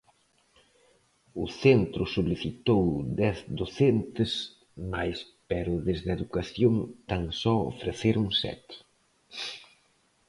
O centro solicitou dez docentes máis pero desde Educación tan só ofreceron sete.